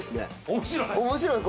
面白い？